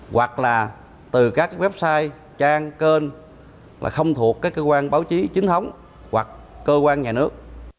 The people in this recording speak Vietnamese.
hoặc là từ các website trang kênh là không thuộc các cơ quan báo chí chính thống hoặc cơ quan nhà nước